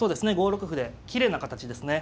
５六歩できれいな形ですね。